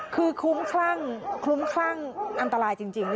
คือคุ้มคลั่งคลุ้มคลั่งอันตรายจริง